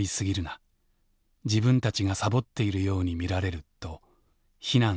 「自分たちがさぼっているように見られる」と非難されたといいます。